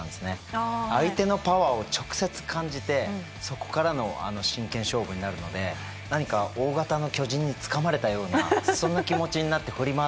相手のパワーを直接感じてそこからの真剣勝負になるので何か大型の巨人につかまれたようなそんな気持ちになって振り回された記憶が思い出してきてます。